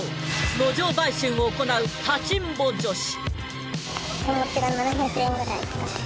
路上売春を行う「立ちんぼ女子」